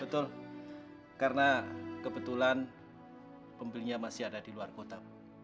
betul karena kebetulan pembelinya masih ada di luar kota